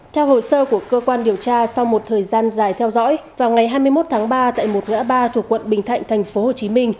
theo hồ sơ của cơ quan điều tra sau một thời gian dài theo dõi vào ngày hai mươi một tháng ba tại một ngã ba thuộc quận bình thạnh tp hcm